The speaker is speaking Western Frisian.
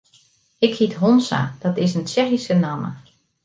Ik hyt Honza, dat is in Tsjechyske namme.